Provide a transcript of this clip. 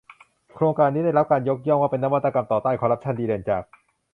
โครงการนี้ได้รับการยกย่องว่าเป็นนวัตกรรมต่อต้านการคอร์รัปชั่นดีเด่นจาก